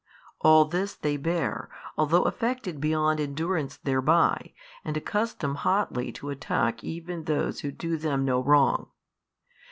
All this they bear, |516 although affected beyond endurance thereby, and accustomed hotly to attack even those who do them no wrong.